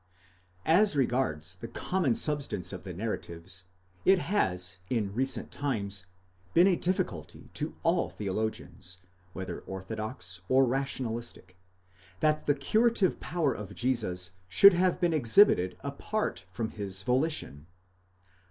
As regards the common substance of the narratives, it has in recent times been a difficulty to all theologians, whether orthodox or rationalistic, that the curative power of Jesus should have been exhibited apart from his volition.